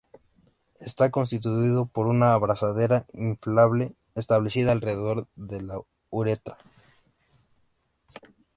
Está constituido por una abrazadera inflable establecida alrededor de la uretra.